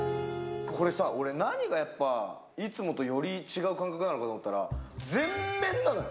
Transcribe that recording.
これさ、俺何が、やっぱ、いつもより違う感覚なのかと思ったら、全面なのよ。